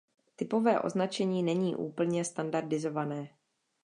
Typové označení není úplně standardizované.